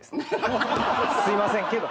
すいませんけど。